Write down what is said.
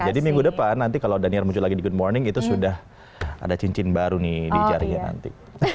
jadi minggu depan nanti kalau daniar muncul lagi di good morning itu sudah ada cincin baru nih di jari nanti